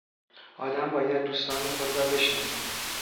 آدم باید دوستان خود را بشناسد.